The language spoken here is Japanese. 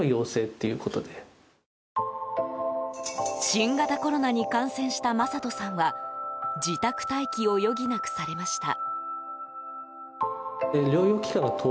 新型コロナに感染したマサトさんは自宅待機を余儀なくされました。